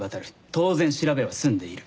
当然調べは済んでいる。